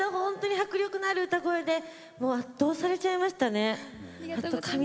迫力のある歌声で圧倒されちゃいましたね。